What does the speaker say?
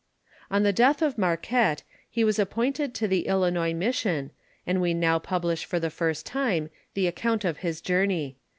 On the death of Marquette, he was appointed to the Dinois mission, and we now publish for the first time, the account of his journey.